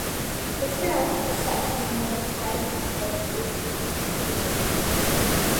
The film is set in modern times instead of Victorian England.